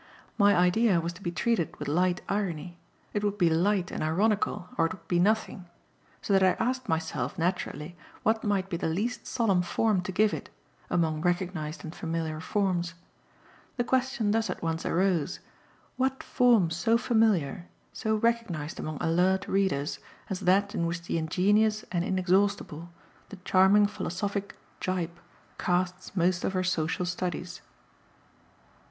My idea was to be treated with light irony it would be light and ironical or it would be nothing; so that I asked myself, naturally, what might be the least solemn form to give it, among recognised and familiar forms. The question thus at once arose: What form so familiar, so recognised among alert readers, as that in which the ingenious and inexhaustible, the charming philosophic "Gyp" casts most of her social studies?